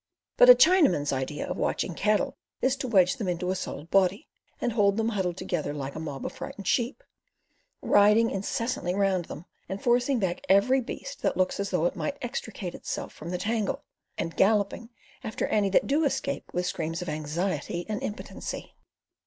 But a Chinaman's idea of watching cattle is to wedge them into a solid body, and hold them huddled together like a mob of frightened sheep, riding incessantly round them and forcing back every beast that looks as though it might extricate itself from the tangle, and galloping after any that do escape with screams of anxiety and impotency.